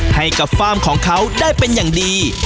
ให้กับฟาร์มของเขาได้เป็นอย่างดี